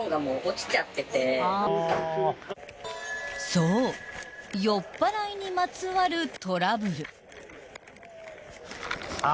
［そう酔っぱらいにまつわるトラブル］